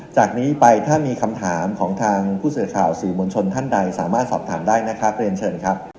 จากนี้ไปถ้ามีคำถามของทางผู้สื่อข่าวสื่อมวลชนท่านใดสามารถสอบถามได้นะครับเรียนเชิญครับ